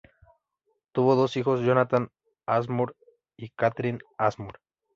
Tuvo dos hijos, Jonathan Ashmore y Catherine Ashmore.